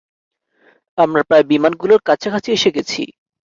আমরা প্রায় বিমানগুলোর কাছাকাছি এসে গেছি।